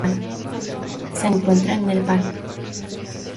Se encuentra en Nepal